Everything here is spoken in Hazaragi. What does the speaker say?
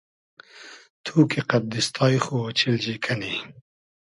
تو کی قئد دیستای خو اۉچیلجی کئنی